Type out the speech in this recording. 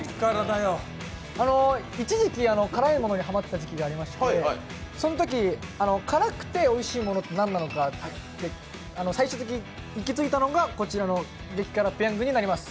一時期辛いものにハマっていた時期がありまして、そのとき辛くておいしいものって何なのか、最終的に行き着いたのがこちらの激辛ペヤングになります。